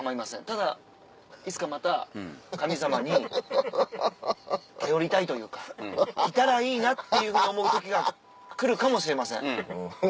ただいつかまた神様に頼りたいというかいたらいいなっていうふうに思う時が来るかもしれません。